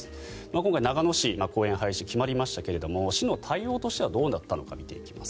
今回、長野市の公園廃止が決まりましたが市の対応としてはどうだったのか見ていきます。